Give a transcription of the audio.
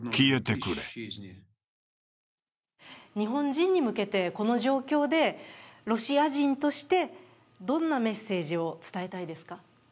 日本人に向けて、この状況でロシア人として、どんなメッセージを伝えたいですか？